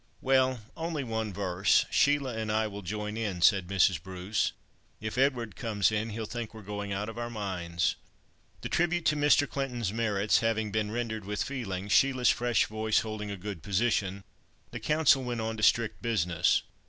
"Well, only one verse—Sheila and I will join in," said Mrs. Bruce. "If Edward comes in, he'll think we're going out of our minds." The tribute to Mr. Clinton's merits having been rendered with feeling, Sheila's fresh voice holding a good position, the council went on to strict business.